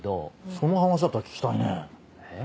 その話だったら聞きたいねぇ。